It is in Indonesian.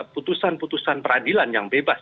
putusan putusan peradilan yang bebas